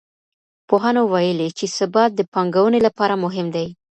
پوهانو ويلي چي ثبات د پانګوني لپاره مهم دی.